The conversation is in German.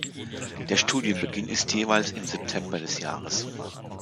Der Studienbeginn ist jeweils im September des Jahres.